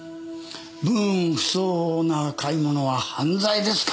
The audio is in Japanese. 分不相応な買い物は犯罪ですか？